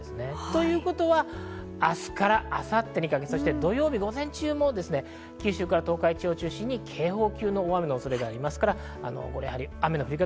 ということは明日から明後日にかけてそして土曜日の午前中にかけて、九州から東海地方を中心に警報級の雨の予想となりそうです。